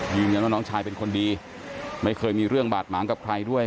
น้องชายเป็นคนดีไม่เคยมีเรื่องบาดหมางกับใครด้วย